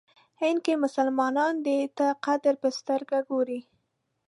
هند کې مسلمانان دی ته قدر په سترګه ګوري.